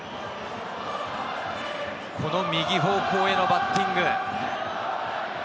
この右方向へのバッティング。